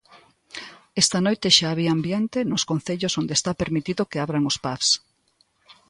Esta noite xa había ambiente nos concellos onde está permitido que abran os pubs.